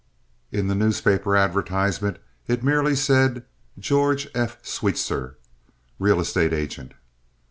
In the newspaper advertisement it merely said "George F. Sweetser, Real Estate Agent."